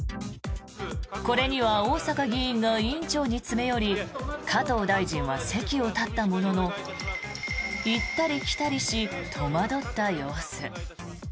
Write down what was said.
これには逢坂議員が委員長に詰め寄り加藤大臣は席を立ったものの行ったり来たりし戸惑った様子。